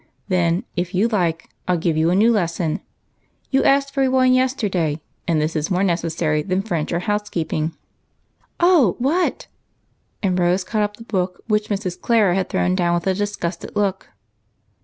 Then, if you like, I '11 give you a new lesson ; you asked for one yesterday, and this is more necessary than French or housekeeping." " Oh, what ?" and Rose caught up the book which Mrs. Clara had thrown down with a disgusted look.